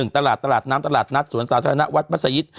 ๑ตลาดตลาดน้ำตลาดนัดสวนทราชนาวัดมัฏยิทธิ์